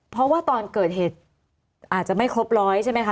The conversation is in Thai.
เพราะว่าตอนเกิดเหตุอาจจะไม่ครบร้อยใช่ไหมคะ